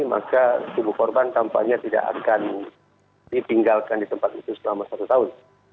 maka tubuh korban tampaknya tidak akan ditinggalkan di tempat itu selama satu tahun